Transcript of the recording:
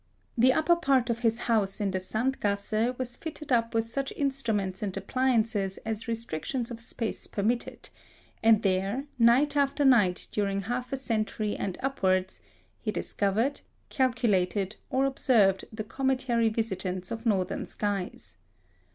The upper part of his house in the Sandgasse was fitted up with such instruments and appliances as restrictions of space permitted, and there, night after night during half a century and upwards, he discovered, calculated, or observed the cometary visitants of northern skies.